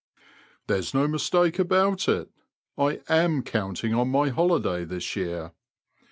*' There's no mistake about it ; I am counting on my holiday this year